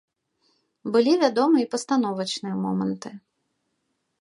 Былі, вядома, і пастановачныя моманты.